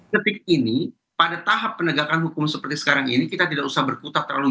detik ini pada tahap penegakan hukum seperti sekarang ini kita tidak usah berkutat terlalu